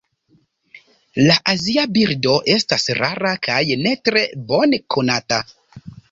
La azia birdo estas rara kaj ne tre bone konata.